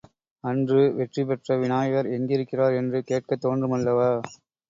அன்று வெற்றி பெற்ற விநாயகர் எங்கிருக்கிறார் என்று கேட்கத் தோன்றுமல்லவா.